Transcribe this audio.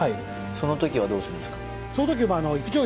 その時はどうするんですか？